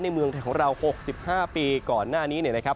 เมืองไทยของเรา๖๕ปีก่อนหน้านี้เนี่ยนะครับ